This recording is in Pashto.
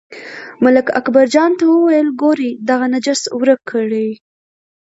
ملک اکبرجان ته وویل، ګورئ دغه نجس ورک کړئ.